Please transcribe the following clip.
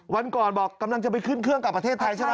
วันก่อนบอกกำลังจะไปขึ้นเครื่องกลับประเทศไทยใช่ไหม